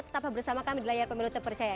tetap bersama kami di layar pemilu terpercaya